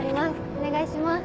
お願いします。